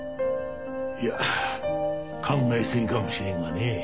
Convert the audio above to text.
いや考えすぎかもしれんがね。